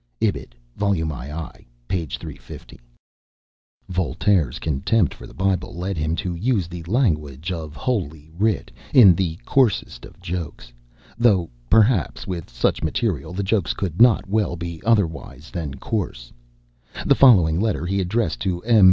[Ibid, vol. ii., p. 350.] Voltaire's contempt for the Bible led him to use the language of "holy writ" in the coarsest jokes; though, perhaps, with such material, the jokes could not well be otherwise than coarse. The following letter he addressed to M.